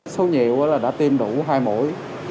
số nhiều là đã tiêm đủ hai mũi